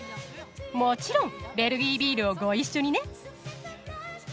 もちろんベルギービールをご一緒にね！